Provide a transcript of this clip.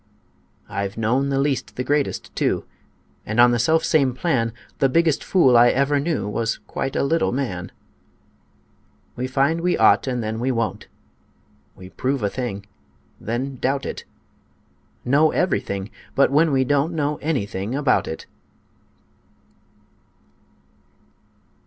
I've known the least the greatest, too And, on the selfsame plan, The biggest fool I ever knew Was quite a little man: We find we ought, and then we won't We prove a thing, then doubt it, Know everything but when we don't Know anything about it.